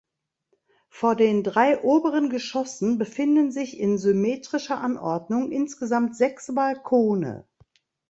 Vor den drei oberen Geschossen befinden sich in symmetrischer Anordnung insgesamt sechs Balkone.